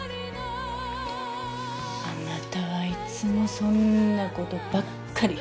あなたはいつもそんなことばっかり。